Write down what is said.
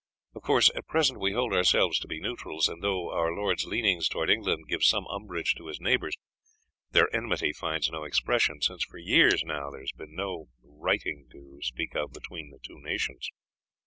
Of course, at present we hold ourselves to be neutrals, and though our lord's leanings towards England give some umbrage to his neighbours, their enmity finds no expression, since for years now there has been no righting to speak of between the two nations.